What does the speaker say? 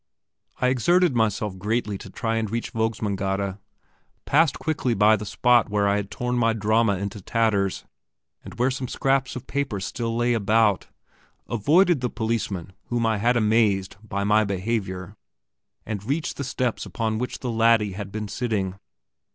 I exerted myself greatly to try and reach Vognmandsgade, passed quickly by the spot where I had torn my drama into tatters, and where some scraps of papers still lay about; avoided the policeman whom I had amazed by my behaviour, and reached the steps upon which the laddie had been sitting.